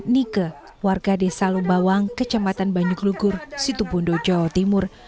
nika warga desa lombawang kecamatan banyuk lugur situbondo jawa timur